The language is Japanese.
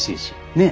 ねえ。